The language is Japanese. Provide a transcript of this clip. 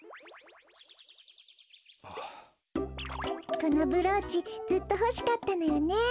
このブローチずっとほしかったのよね。